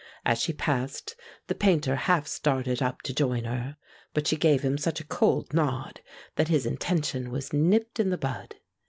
As she passed, the Painter half started up to join her, but she gave him such a cold nod that his intention was nipped in the bud.